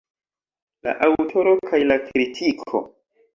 La aŭtoro kaj la kritiko.